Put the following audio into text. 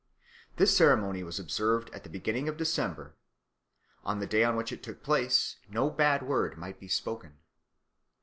This ceremony was observed at the beginning of December. On the day on which it took place no bad word might be spoken.